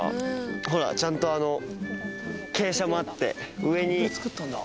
ほらちゃんとあの傾斜もあって。